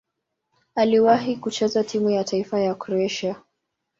Aliwahi kucheza timu ya taifa ya Kroatia.